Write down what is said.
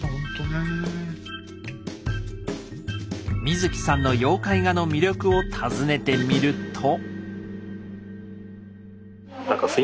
水木さんの妖怪画の魅力を尋ねてみると。